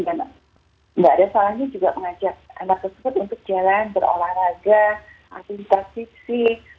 dan tidak ada salahnya juga mengajak anak tersebut untuk jalan berolahraga aktivitas sisi